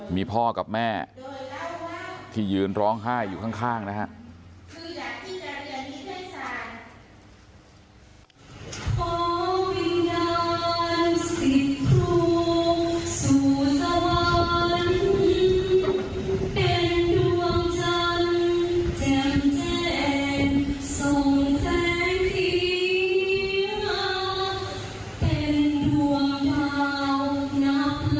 มีพ่อกับแม่ที่ยืนร้องไห้อยู่ข้างนะฮะ